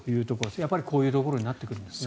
やっぱりこういうところになってくるんですね。